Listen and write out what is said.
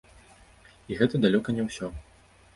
І гэта далёка не ўсё.